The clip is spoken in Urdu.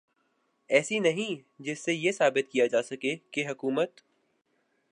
ایسی نہیں جس سے یہ ثابت کیا جا سکے کہ حکومت